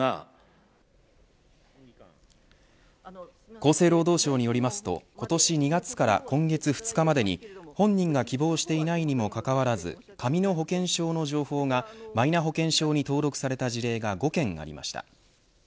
厚生労働省によりますと今年２月から今月２日までに、本人が希望していないにもかかわらず紙の保険証の情報がマイナ保険証に登録された事例が５件ありました。